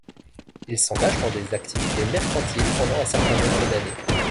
Il s'engage dans des activités mercantiles pendant un certain nombre d'années.